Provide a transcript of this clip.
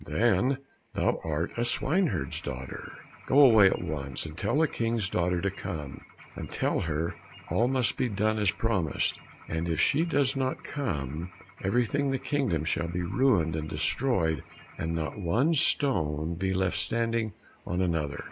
"Then thou art a swine herd's daughter! Go away at once, and tell the King's daughter to come, and tell her all must be done as promised, and if she does not come, everything in the kingdom shall be ruined and destroyed, and not one stone be left standing on another."